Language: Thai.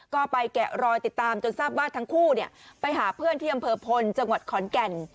ก็ไปแกะรอยติดตามจนทราบว่าทั้งคู่ไปหาเพื่อนที่อำเภอพลจังหวัดขอนแก่น